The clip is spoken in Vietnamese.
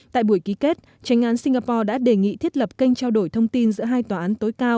tại buổi ký kết tranh án singapore đã đề nghị thiết lập kênh trao đổi thông tin giữa hai tòa án tối cao